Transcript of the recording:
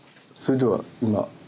それでは今はい。